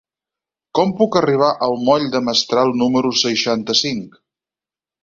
Com puc arribar al moll de Mestral número seixanta-cinc?